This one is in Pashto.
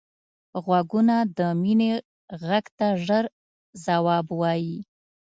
غوږونه د مینې غږ ته ژر ځواب وايي